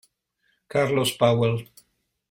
Carlos Powell